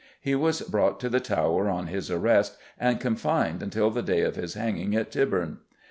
He was brought to the Tower on his arrest and confined until the day of his hanging at Tyburn.